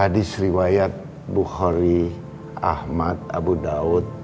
di sriwayat bukhori ahmad abu daud